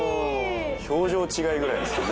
表情の違いぐらいですよね